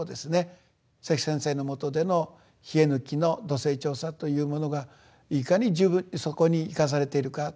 関先生のもとでの稗貫の土性調査というものがいかに十分にそこに生かされているか。